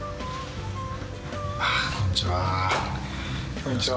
こんにちは。